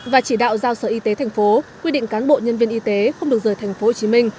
và chỉ đạo giao sở y tế thành phố quy định cán bộ nhân viên y tế không được rời thành phố hồ chí minh